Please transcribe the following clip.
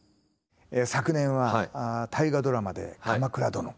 昨年は大河ドラマで「鎌倉殿」。